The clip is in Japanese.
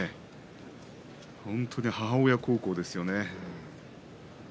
本当に母親孝行ですよね。